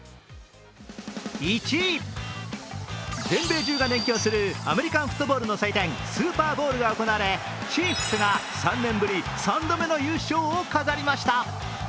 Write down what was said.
１位、全米中が熱狂するアメリカンフットボールの祭典スーパーボウルが行われチーフスが３年ぶり３度目の優勝を飾りました。